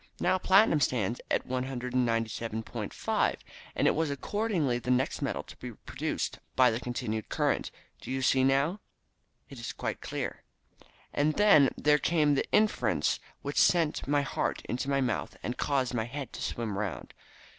Now platinum stands at 197.5, and it was accordingly the next metal to be produced by the continued current. Do you see now?" "It is quite clear." "And then there came the inference, which sent my heart into my mouth and caused my head to swim round.